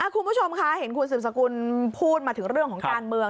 คุณผู้ชมค่ะเห็นคุณสืบสกุลพูดมาถึงเรื่องของการเมือง